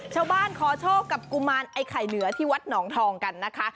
ชาวบ้านขอโชคกับกุมารไข่เหนือที่วัดหนองทองกันนะคะ